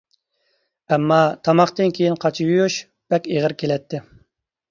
ئەمما، تاماقتىن كېيىن قاچا يۇيۇش بەك ئېغىر كېلەتتى.